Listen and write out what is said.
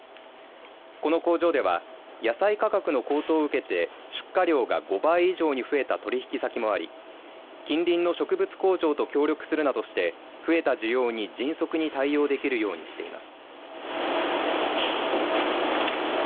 この工場では野菜価格の高騰を受けて出荷量が５倍以上に増えた取引先もあり近隣の植物工場と協力するなどして増えた重要に迅速に対応できるようにしています。